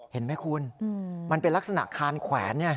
เห็นไหมคุณมันเป็นลักษณะคานแขวน